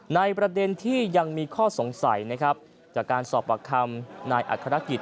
ในประเด็นที่ยังมีข้อสงสัยนะครับจากการสอบปากคำนายอัครกิจ